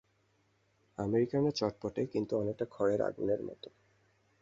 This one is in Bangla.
আমেরিকানরা চটপটে, কিন্তু অনেকটা খড়ের আগুনের মত।